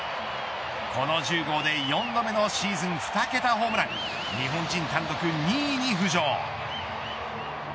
この１０号で４度目のシーズン２桁ホームラン日本人単独２位に浮上。